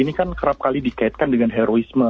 ini kan kerap kali dikaitkan dengan heroisme